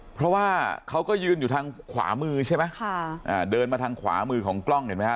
เพราะว่าเขาก็ยืนอยู่ทางขวามือใช่ไหมค่ะอ่าเดินมาทางขวามือของกล้องเห็นไหมฮ